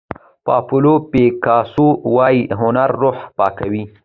پابلو پیکاسو وایي هنر روح پاکوي.